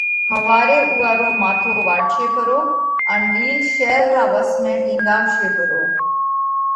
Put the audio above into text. ۿواري اُوئا رو ماٿو واڍشي پرو ان ڏِيل شير را وس ۾ ٽِينڳاوَشي پرو.